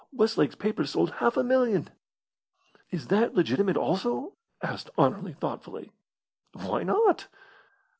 Westlake's paper sold half a million." "Is that legitimate also?" asked Anerley, thoughtfully. "Why not?"